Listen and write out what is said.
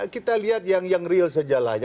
kita lihat yang real saja